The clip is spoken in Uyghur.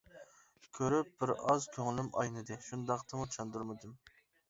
كۆرۈپ بىر ئاز كۆڭلۈم ئاينىدى، شۇنداقتىمۇ چاندۇرمىدىم.